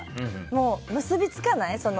もう、結び付かない。